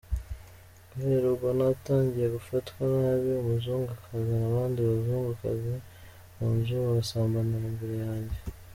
Guhera ubwo natangiye gufatwa nabi, umuzungu akazana abandi bazungukazi munzu bagasambanira imbere yanjye !